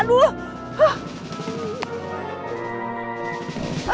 beneran deh gak sengaja